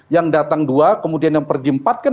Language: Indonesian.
yang datang dua kemudian yang pergi empat kan